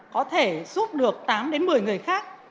có thể giúp được tám đến một mươi người khác